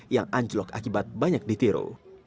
yang anjlok akibat banyak ditiru